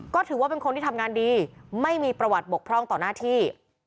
ก็ถือว่าเป็นคนที่ทำงานดีไม่มีประวัติบกพร่องต่อหน้าที่